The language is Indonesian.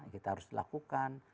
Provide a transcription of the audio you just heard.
kita harus lakukan